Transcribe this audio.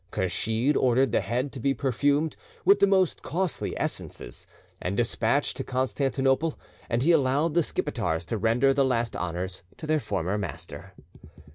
Kursheed ordered the head to be perfumed with the most costly essences, and despatched to Constantinople, and he allowed the Skipetars to render the last honours to their former master.